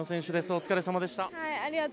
お疲れさまでした。